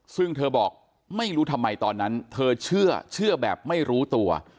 ซึ่งเธอบอกไม่รู้ทำไมตอนนั้นเธอเชื่อแบบไม่รู้ตัว